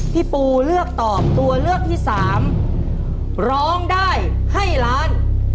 พี่ปูเลือกตอบตัวเลือกที่สามร้องได้ให้ล้าน